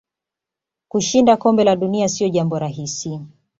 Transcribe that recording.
Kushinda kombe la dunia sio jambo rahisi